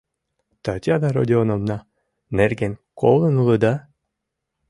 Татьяна Родионовна нерген колын улыда?